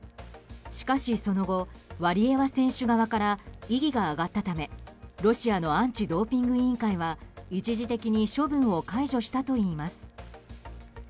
しかしその後ワリエワ選手側から異議が上がったため、ロシアのアンチドーピング委員会は一時的に処分を解除したといいます。